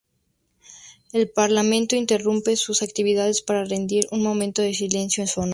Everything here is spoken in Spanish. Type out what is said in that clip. El parlamento interrumpe sus actividades para rendir un momento de silencio en su honor.